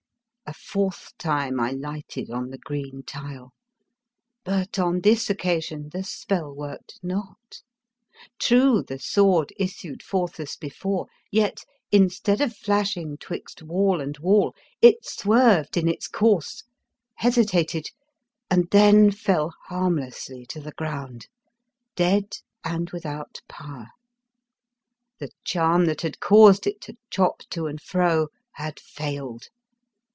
A fourth time I lighted on the green tile, but on this occasion the spell worked not; true, the sword issued forth as before, yet, instead of flashing 'twixt wall and wall, it swerved in its course, hesitated, and then fell harm less to the ground, dead and without power. The charm that had caused it to chop to and fro had failed.